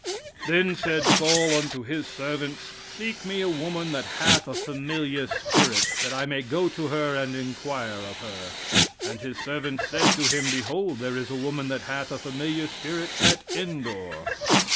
"Then said Saul unto his servants, seek me a woman that hath a familiar spirit, that I may go to her and inquire of her. And his servants said to him, Behold, there is a woman that hath a familiar spirit at Endor."